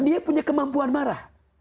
dia punya kemampuan marah